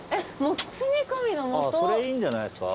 いいんじゃないですか？